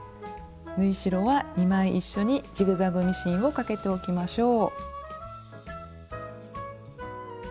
縫い代は２枚一緒にジグザグミシンをかけておきましょう。